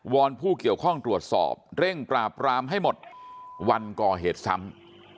อนผู้เกี่ยวข้องตรวจสอบเร่งปราบรามให้หมดวันก่อเหตุซ้ำ